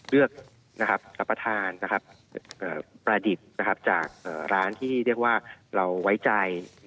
เลือกรับประทานประดิภจากล้านที่เราไว้ใจ